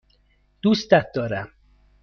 دوستت دارم.